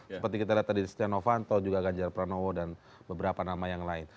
seperti kita lihat tadi di stenovanto ganjar pranowo dan beberapa nama yang lain